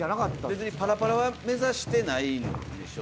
別にパラパラは目指してないんでしょ？